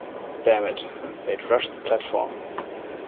Damn it, they'd rush the platform.